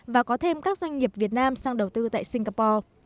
và có thêm các doanh nghiệp việt nam sang đầu tư tại singapore